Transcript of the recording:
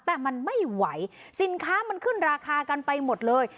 แต่มันไม่ไหวสินค้ามันขึ้นราคากันไปหมดเลย